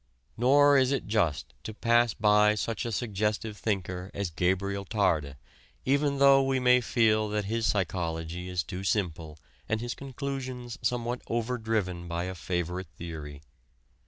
Nor is it just to pass by such a suggestive thinker as Gabriel Tarde, even though we may feel that his psychology is too simple and his conclusions somewhat overdriven by a favorite theory.